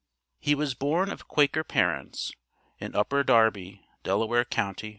He was born of Quaker parents, in Upper Darby, Delaware county, Pa.